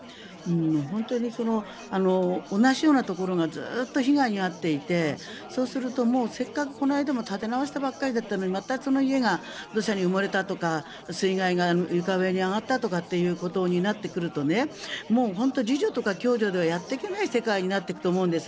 本当に同じようなところがずっと被害に遭っていてそうするとせっかくこの間も建て直したばかりだったのにまたその家が土砂に埋もれたとか水害が床上に上がったということになってくると自助とか共助ではやっていけない世界になっていくと思うんです。